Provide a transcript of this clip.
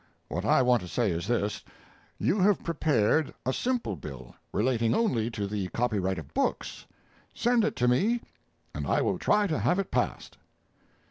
What I want to say is this: you have prepared a simple bill relating only to the copyright of books; send it to me and I will try to have it passed.